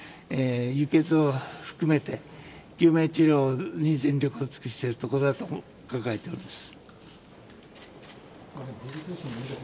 輸血を含めて救命治療に全力を尽くしているところだと考えております。